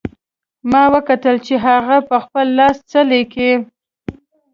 ما وکتل چې هغه په خپل لاس څه لیکي